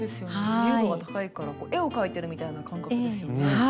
自由度が高いから絵を描いてるみたいな感覚ですよね。